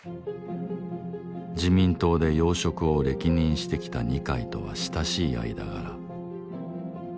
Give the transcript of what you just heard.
自民党で要職を歴任してきた二階とは親しい間柄